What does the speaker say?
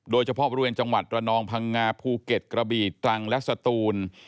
โดยเฉพาะบริเวณจังหวัดระนองพังงาภูเก็ตกระบีตรังและสตูน